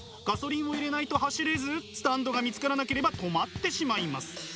ガソリンを入れないと走れずスタンドが見つからなければ止まってしまいます。